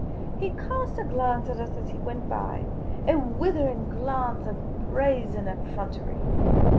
He cast a glance at us as he went by, a withering glance of brazen effrontery.